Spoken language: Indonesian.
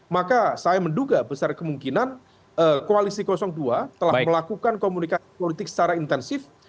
maka saya menduga besar kemungkinan koalisi dua telah melakukan komunikasi politik secara intensif